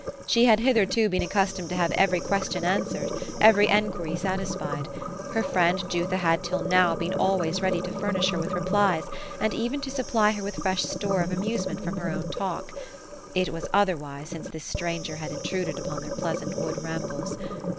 She had hith erto been accustomed to have every question answered, every enquiry satisfied ; her friend Jutha had till now been always ready to furnish her with replies, and even to supply her with fresh store of amusement from her own talk ; it was otherwise, since this stranger had intruded upon their pleasant wood rambles.